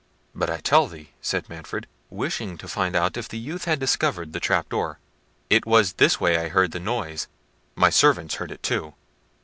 "But I tell thee," said Manfred (wishing to find out if the youth had discovered the trap door), "it was this way I heard the noise. My servants heard it too."